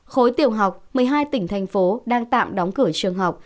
khối tiểu học một mươi hai tỉnh thành phố đang tạm đóng cửa trường học